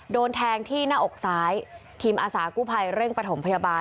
โดนแทงที่หน้าอกซ้ายทีมอาสากู้ภัยเร่งประถมพยาบาล